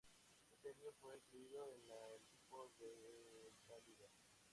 Ese año fue incluido en el equipo ideal de la Liga.